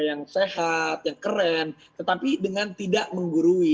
yang sehat yang keren tetapi dengan tidak menggurui